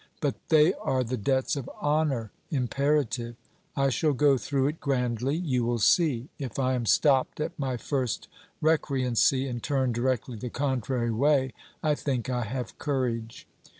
But they are the debts of honour, imperative. I shall go through it grandly, you will see. If I am stopped at my first recreancy and turned directly the contrary way, I think I have courage.'